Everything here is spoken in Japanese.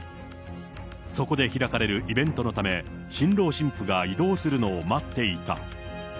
そこで開かれるイベントのため、新郎新婦が移動するのを待っていた。